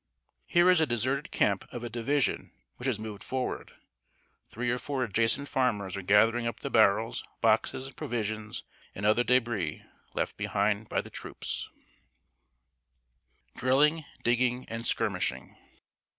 Here is a deserted camp of a division which has moved forward. Three or four adjacent farmers are gathering up the barrels, boxes, provisions, and other débris, left behind by the troops. [Sidenote: DRILLING, DIGGING, AND SKIRMISHING.